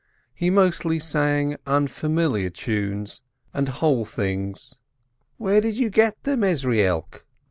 He mostly sang unfamiliar tunes and whole "things." "Where do you get them, Ezrielk?"